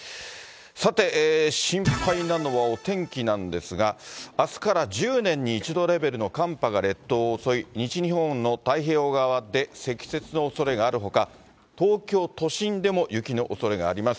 さて、心配なのはお天気なんですが、あすから１０年に一度レベルの寒波が列島を襲い、西日本の太平洋側で積雪のおそれがあるほか、東京都心でも雪のおそれがあります。